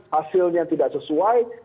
hasilnya tidak sesuai